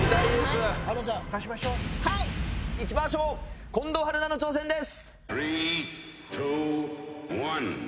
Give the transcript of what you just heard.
行きましょう近藤春菜の挑戦です！